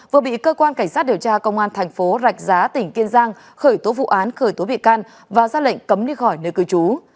vừa bị cơ quan cảnh sát điều tra công an thành phố rạch giá tỉnh kiên giang khởi tố vụ án khởi tố bị can và ra lệnh cấm đi khỏi nơi cư trú